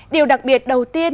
điều đặc biệt đầu tiên